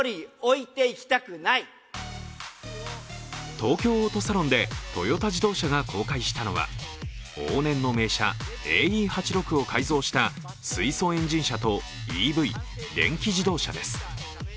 東京オートサロンでトヨタ自動車が公開したのは、往年の名車、ＡＥ８６を改造した水素エンジン車とＥＶ＝電気自動車です。